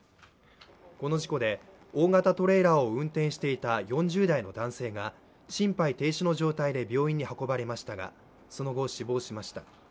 この事故で、大型トレーラーを運転していた４０代の男性が心肺停止の状態で病院に運ばれましたがその後、死亡しました。